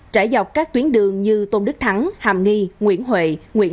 trải dọc các tuyến đường như tôn đức thắng hàm nghi nguyễn huệ